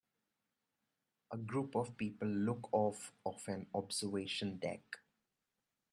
A group of people look off of an observation deck.